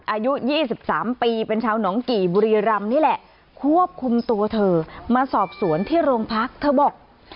อายุ๒๓ปีเป็นชาวหนองกี่บุรีรำนี่แหละควบคุมตัวเธอมาสอบสวนที่โรงพักเธอบอก